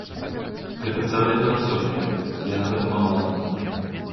Гэта цэлая філасофія, і яна дапамагла нам.